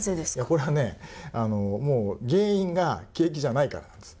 これはね、もう原因が景気じゃないからなんです。